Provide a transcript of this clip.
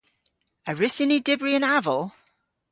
A wrussyn ni dybri an aval?